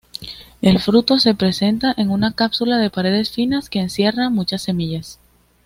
El fruto se presenta en una cápsula de paredes finas, que encierra muchas semillas.